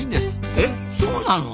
えそうなの？